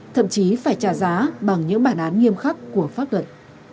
thậm chí phải trả giá bằng những bản án nghiêm khắc của pháp luật